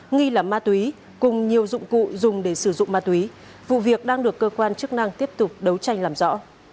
nghi là ma túy cùng nhiều dụng cụ dùng để sử dụng ma túy vụ việc đang được cơ quan chức năng tiếp tục đấu tranh làm rõ